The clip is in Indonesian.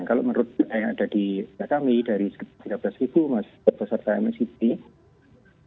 kalau menurut yang ada di belakang dari tiga belas ribu mahasiswa peserta mscp